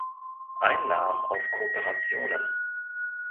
Einnahmen aus Kooperationen.